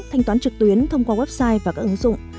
thanh toán trực tuyến thông qua website và các ứng dụng